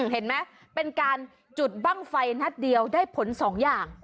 เห็นไหมเป็นการจุดบ้างไฟนัดเดียวได้ผลสองอย่าง